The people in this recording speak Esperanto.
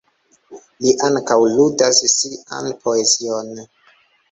Li ankaŭ ludas sian poezion.